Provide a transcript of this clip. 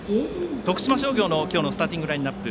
徳島商業の今日のスターティングラインアップ。